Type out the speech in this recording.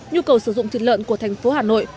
nhu cầu sử dụng thịt lợn của thành phố hà nội